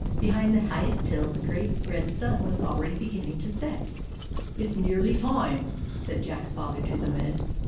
Behind the highest hill the great red sun was already beginning to set. " It s nearly time/' said Jack's Father to the men.